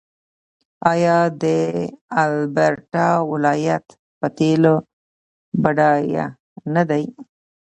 آیا د البرټا ولایت په تیلو بډایه نه دی؟